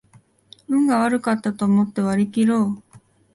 運が悪かったと思って割りきろう